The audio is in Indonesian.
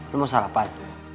lu mau sarapan